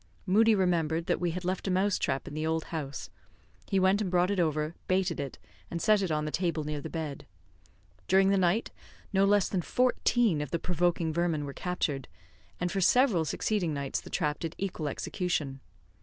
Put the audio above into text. Moodie remembered that we had left a mouse trap in the old house; he went and brought it over, baited it, and set it on the table near the bed. During the night no less than fourteen of the provoking vermin were captured; and for several succeeding nights the trap did equal execution.